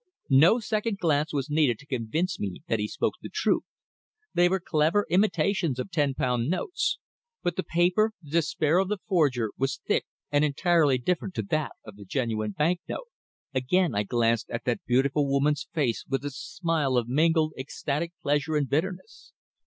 No second glance was needed to convince me that he spoke the truth. They were clever imitations of ten pound notes, but the paper, the despair of the forger, was thick and entirely different to that of the genuine bank note. Again I glanced at that beautiful woman's face with its smile of mingled ecstatic pleasure and bitterness.